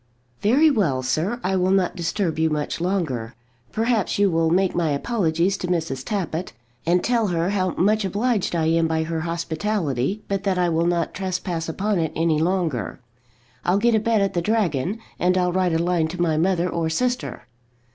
"Very well, sir; I will not disturb you much longer. Perhaps you will make my apologies to Mrs. Tappitt, and tell her how much obliged I am by her hospitality, but that I will not trespass upon it any longer. I'll get a bed at the Dragon, and I'll write a line to my mother or sister."